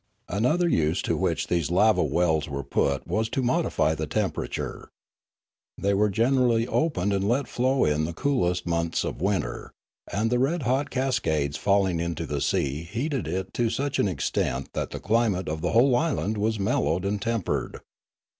Another use to which these lava wells were put was to modify the temperature. They were generally opened and let flow in the coolest months of winter, and the red hot cascades falling into the sea heated it to such an extent that the climate of the whole island was mellowed and tempered.